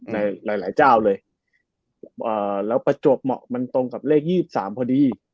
ในหลายเจ้าเลยแล้วประจวบเหมาะมันตรงกับเลข๒๓พอดี